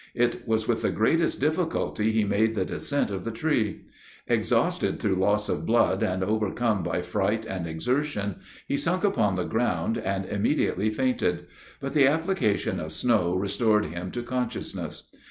It was with the greatest difficulty he made the descent of the tree. Exhausted through loss of blood, and overcome by fright and exertion, he sunk upon the ground and immediately fainted; but the application of snow restored him to consciousness.